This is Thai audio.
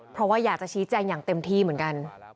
เพราะว่าอยากจะชี้แจงอย่างเต็มที่เหมือนกัน